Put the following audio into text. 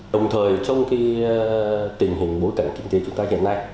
đồng thời trong tình hình bối cảnh kinh tế chúng ta hiện nay